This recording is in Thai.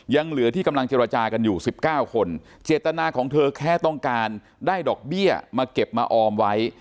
ยังเหลือที่กำลังเจรจากันอยู่๑๙คนเจตนาของเธอแค่ต้องการได้ดอกเบี้ยมาเก็บมาออมไว้